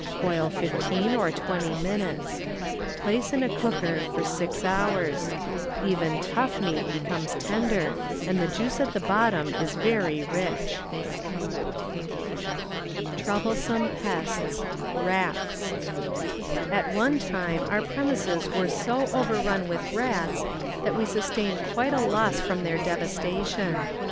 Boil fifteen or twenty minutes. Place in a cooker for six hours. Even tough meat becomes tender and the juice at the bottom is very ,zP*dbyGOOglC HILLSDAnB COUKirg Troublesome Pests ŌĆö Rats ' premises ' At one time over run with rats that we sustained quite a loss from their devastation.